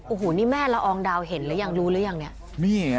โอ้โหนี่แม่ละอองดาวเห็นหรือยังรู้หรือยังเนี่ย